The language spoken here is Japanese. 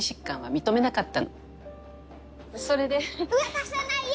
渡さないよ！